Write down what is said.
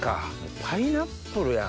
パイナップルやん